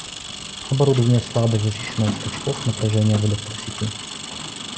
Оборудование слабо защищено от «скачков» напряжения в электросети